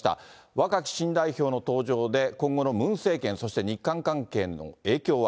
若き新代表の登場で今後のムン政権、そして日韓関係への影響は。